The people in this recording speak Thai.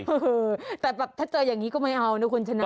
เออแต่แบบถ้าเจออย่างนี้ก็ไม่เอานะคุณชนะ